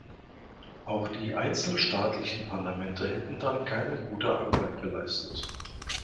Auch die einzelstaatlichen Parlamente hätten dann keine gute Arbeit geleistet.